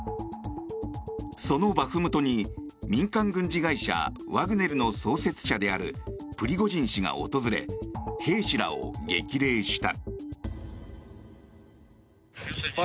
そのバフムトに民間軍事会社ワグネルの創設者であるプリゴジン氏が訪れ兵士らを激励した。